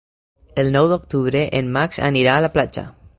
El nou d'octubre en Max anirà a la platja.